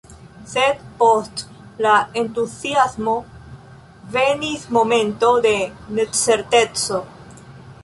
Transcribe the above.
Sed, post la entuziasmo, venis momento de necerteco.